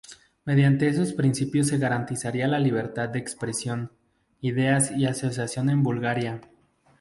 Mediante esos principios se garantizaría la libertad de expresión, ideas y asociación en Bulgaria.